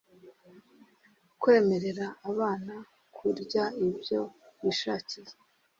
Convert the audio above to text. kwemerera abana kurya ibyo bishakiye